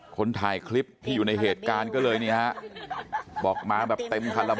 คนถ่ายคลิปที่อยู่ในเหตุการณ์ก็เลยนี่ฮะบอกมาแบบเต็มคันละม